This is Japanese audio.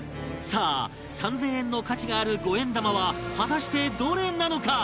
さあ３０００円の価値がある５円玉は果たしてどれなのか？